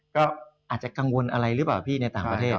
ก็อาจจะกังวลอะไรหรือเปล่าพี่ในต่างประเทศ